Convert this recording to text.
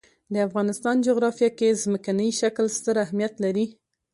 د افغانستان جغرافیه کې ځمکنی شکل ستر اهمیت لري.